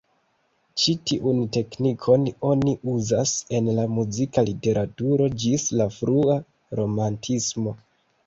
Ĉi tiun teknikon oni uzas en la muzika literaturo ĝis la frua romantismo.